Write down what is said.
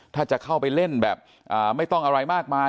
ถ้าจะเข้าไปเล่นแบบไม่ต้องอะไรมากมาย